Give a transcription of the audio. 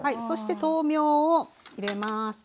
そして豆苗を入れます。